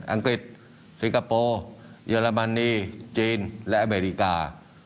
อังกฤษสิงคโปร์เยอรมนีจีนและอเมริกา